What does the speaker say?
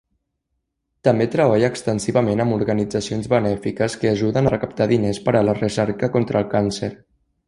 També treballa extensivament amb organitzacions benèfiques que ajuden a recaptar diners per a la recerca contra el càncer.